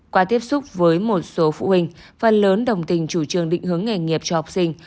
qua tiếp xúc với một số phụ huynh phần lớn đồng tình chủ trường định hướng nghề nghiệp cho học sinh